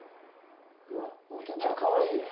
うわめっちゃかわいいやん。